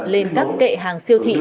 lên các kệ hàng siêu thịt